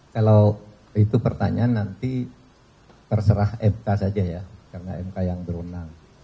kalau itu pertanyaan nanti terserah mk saja ya karena mk yang berwenang